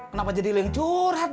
kenapa jadi lengcur dad